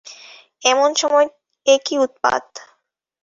এমন সময় এ কী উৎপাত!